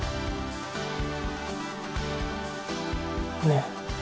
ねえ。